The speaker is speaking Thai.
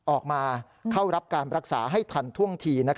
ออกมาเข้ารับการรักษาให้ทันท่วงที